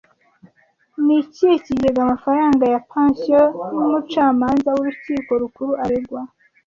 Ni ikihe kigega amafaranga ya pansiyo y'umucamanza w'Urukiko Rukuru aregwa